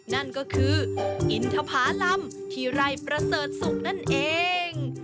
นั่นก็คืออินทภาลำที่ไร่ประเสริฐศุกร์นั่นเอง